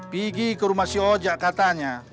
pergi ke rumah si oja katanya